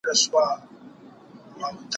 كله كله به ښكار پاته تر مابين سو